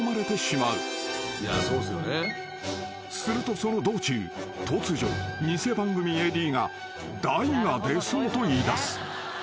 ［するとその道中突如偽番組ＡＤが大が出そうと言いだす］